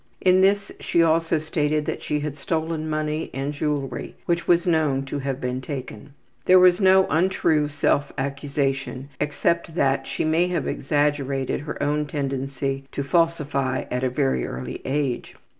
In this she also stated that she had stolen money and jewelry, which was known to have been taken. There was no untrue self accusation, except that she may have exaggerated her own tendency to falsify at a very early age.